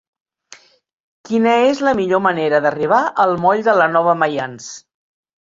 Quina és la millor manera d'arribar al moll de la Nova Maians?